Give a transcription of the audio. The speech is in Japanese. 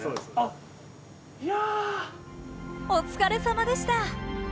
お疲れさまでした。